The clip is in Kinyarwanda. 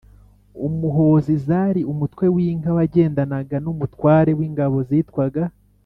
Umuhozi zari Umutwe w'Inka wagendanaga n'Umutware w'Ingabo zitwaga